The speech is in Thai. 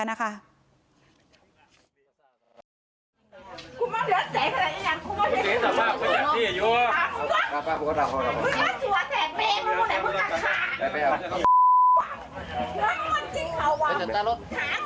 นั่นคือจิ้มเหรอวะเมืองนั้นตารถ